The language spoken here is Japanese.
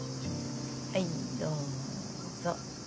はいどうぞ。